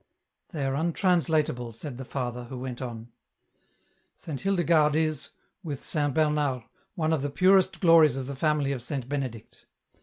" They are untranslatable," said the father, who went on, " Saint Hildegarde is, with Saint Bernard, one of the purest glories of the family of Saint Benedict.